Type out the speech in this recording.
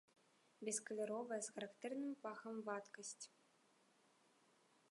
Бескаляровая, з характэрным пахам вадкасць.